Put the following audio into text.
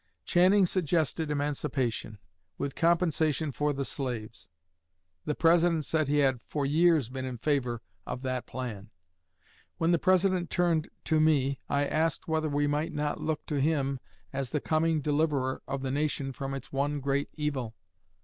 Channing suggested emancipation, with compensation for the slaves. The President said he had for years been in favor of that plan. When the President turned to me, I asked whether we might not look to him as the coming deliverer of the nation from its one great evil?